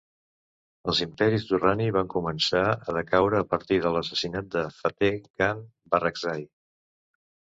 Els imperis durrani van començar a decaure a partir de l'assassinat de Fateh Khan Barakzai.